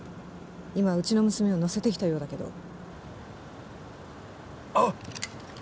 今うちの娘を乗せてきたようだけどあっ